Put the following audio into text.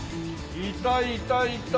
いたいたいた。